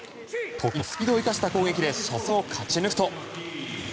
得意のスピードを生かした攻撃で初戦を勝ち抜くと。